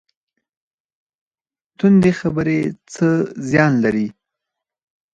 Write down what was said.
تندې خبرې څه زیان لري؟